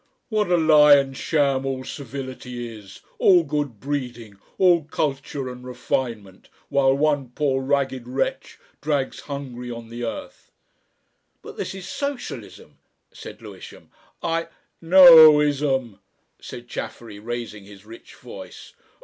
What a lie and sham all civility is, all good breeding, all culture and refinement, while one poor ragged wretch drags hungry on the earth!" "But this is Socialism!" said Lewisham. "I " "No Ism," said Chaffery, raising his rich voice.